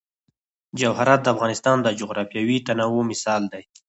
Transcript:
جواهرات د افغانستان د جغرافیوي تنوع مثال دی.